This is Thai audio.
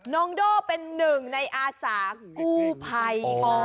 โด่เป็นหนึ่งในอาสากู้ภัย